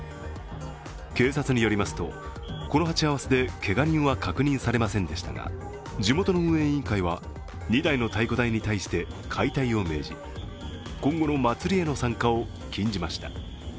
警察によりますとこの鉢合わせでけが人は確認されませんでしたが、地元の運営委員会は２台の太鼓台に対して解体を命じ、今後の祭りへの参加を禁じました。